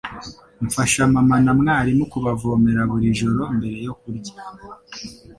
Mfasha mama na mwarimu kubavomera buri joro mbere yo kurya.